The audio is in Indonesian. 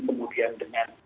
kemudian dengan taliban